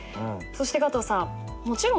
そして加藤さん。